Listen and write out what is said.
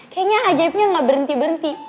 kayaknya ajaibnya gak berhenti berhenti